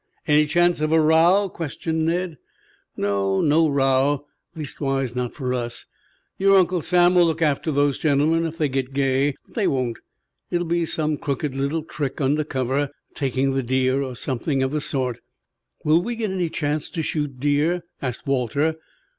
"Any chance of a row?" questioned Ned. "No, no row. Leastwise not for us. Your Uncle Sam will look after those gentlemen if they get gay. But they won't. It will be some crooked little trick under cover taking the deer or something of the sort." "Will we get any chance to shoot deer?" asked Walter.